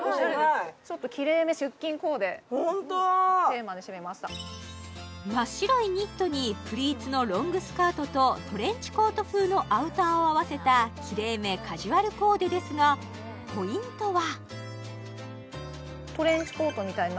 ホント真っ白いニットにプリーツのロングスカートとトレンチコート風のアウターを合わせたきれいめカジュアルコーデですがポイントは？